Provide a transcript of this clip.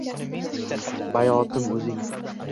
Bayotim o’zing.